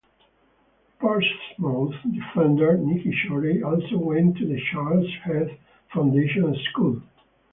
Portsmouth defender Nicky Shorey also went to the Chadwell Heath Foundation School.